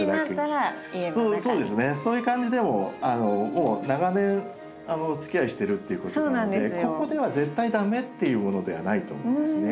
もう長年おつきあいしてるっていうことなのでここでは絶対駄目っていうものではないと思うんですね。